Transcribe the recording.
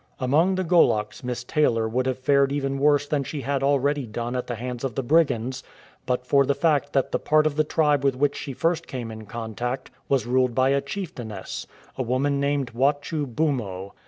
Among the Goloks Miss Taylor would have fared even worse than she had already done at the hands of the brigands, but for the fact that the part of the tribe with which she first came in contact was ruled by a chicftainess, a woman named Wachu Bumo.